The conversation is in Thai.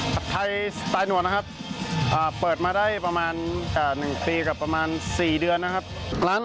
ไทยสไตล์หนวดนะครับเปิดมาได้ประมาณ๑ปีกับประมาณ๔เดือนนะครับ